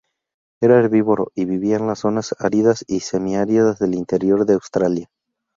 Era herbívoro, y vivía en las zonas áridas y semiáridas del interior de Australia.